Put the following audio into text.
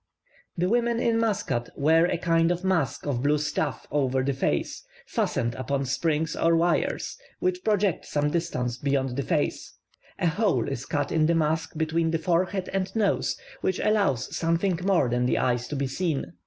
The women in Muscat wear a kind of mask of blue stuff over the face, fastened upon springs or wires, which project some distance beyond the face; a hole is cut in the mask between the forehead and nose, which allows something more than the eyes to be seen.